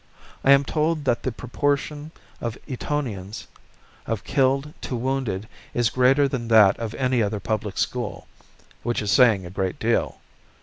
I am told that the proportion of Etonians of killed to wounded is greater than that of any other public school which is saying a great deal.